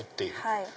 はい。